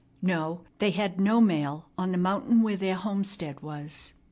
No, they had no mail on the mountain where their homestead was.